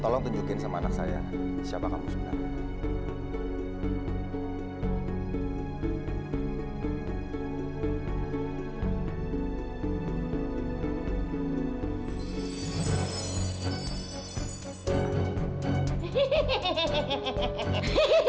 tolong tunjukin sama anak saya siapa kamu sebenarnya